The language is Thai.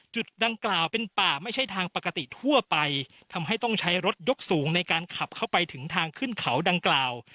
จุดดังกล่าวเป็นป่าไม่ใช่ทางปกติทั่วไปทำให้ต้องใช้รถยกสูงในการขับเข้าไปถึงทางขึ้นเขาดังกล่าว